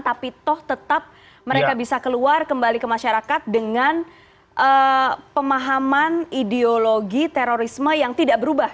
tapi toh tetap mereka bisa keluar kembali ke masyarakat dengan pemahaman ideologi terorisme yang tidak berubah